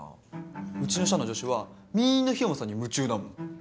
うちの社の女子はみんな緋山さんに夢中だもん。